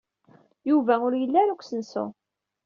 Yuba ur yelli ara deg usensu.